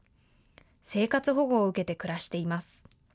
生活保護を受けて暮らしています。